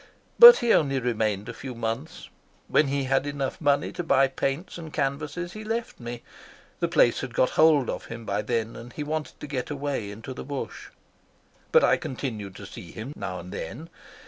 But he only remained a few months. When he had enough money to buy paints and canvases he left me. The place had got hold of him by then, and he wanted to get away into the bush. But I continued to see him now and then.